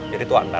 jadi tua antar